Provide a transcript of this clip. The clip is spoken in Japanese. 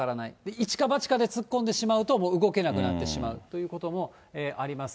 一か八かで突っ込んでしまうと、もう動けなくなってしまうということもあります。